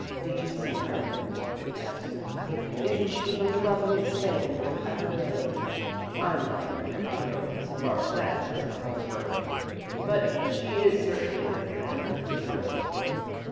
Did you see her?" "Yes." "Isn't she the loveliest thing that was ever made?" "I'm not prepared to go as far as that," smiled the Colonel, "but she is certainly a very pretty girl."